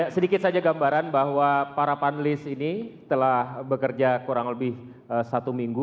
sedikit saja gambaran bahwa para panelis ini telah bekerja kurang lebih satu minggu